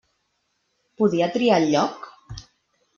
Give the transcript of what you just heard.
Podia triar el lloc?